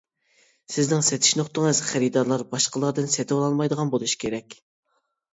سىزنىڭ سېتىش نۇقتىڭىز خېرىدارلار باشقىلاردىن سېتىۋالالمايدىغان بولۇشى كېرەك.